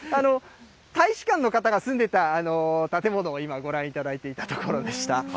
大使館の方が住んでた建物を今、ご覧いただいていたところでした。